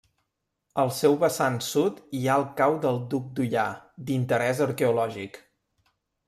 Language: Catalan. Al seu vessant sud hi ha el Cau del Duc d'Ullà d'interès arqueològic.